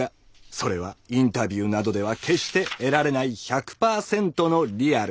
それはインタビューなどでは決して得られない１００％の「リアル」。